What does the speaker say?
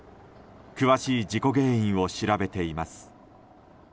詳しい事故原因を調べています。